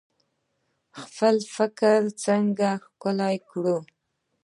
خپل فکر څنګه ښکلی کړو؟